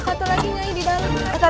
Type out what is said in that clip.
ada satu lagi yang nyanyi di dalam